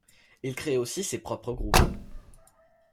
Il crée aussi ses propres groupes.